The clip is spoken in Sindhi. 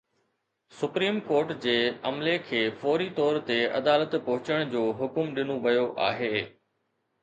سپريم ڪورٽ جي عملي کي فوري طور تي عدالت پهچڻ جو حڪم ڏنو ويو آهي